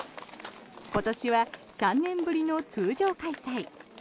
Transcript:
今年は３年ぶりの通常開催。